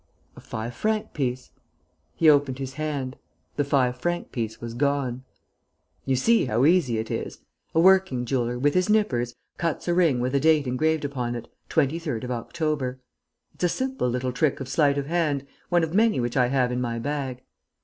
"A five franc piece." He opened his hand. The five franc piece was gone. "You see how easy it is! A working jeweller, with his nippers, cuts a ring with a date engraved upon it: 23rd of October. It's a simple little trick of sleight of hand, one of many which I have in my bag.